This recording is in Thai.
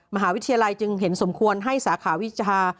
มหาวิทยาลัยจึงเห็นสมควรให้สาขาวิชา